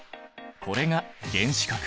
これが原子核。